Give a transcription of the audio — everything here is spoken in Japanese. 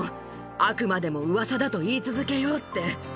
あくまでもうわさだと言い続けようって。